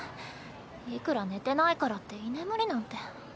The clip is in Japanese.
いくら寝てないからって居眠りなんて。